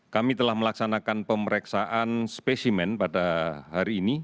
kami telah melaksanakan pemeriksaan spesimen pada hari ini